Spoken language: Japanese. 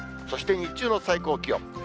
そして日中の最高気温。